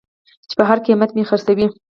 چې په هر قېمت مې خرڅوې.